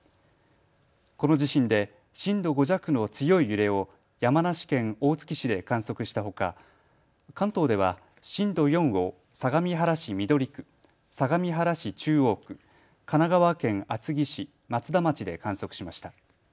この地震で震度５弱の強い揺れを山梨県大月市で観測したほか関東では震度４を相模原市緑区相模原市中央区神奈川県厚木市、松田町で観測しました。